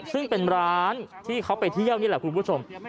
ซึ่งเป็นร้านที่เขาไปเที่ยวนี่แหละคุณผู้ชม